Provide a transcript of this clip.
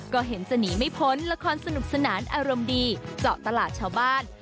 ก็เห็นจะหนีไม่พ้นละครสนุกสนานอารมณ์ดีเจาะตลาดชาวบ้าน